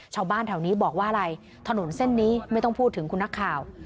ชาวบ้านแถวนี้บอกว่าอะไรถนนเส้นนี้ไม่ต้องพูดถึงคุณนักข่าว